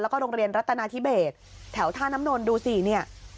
แล้วก็โรงเรียนรัตนาธิเบสแถวท่าน้ำนนดูสิเนี่ย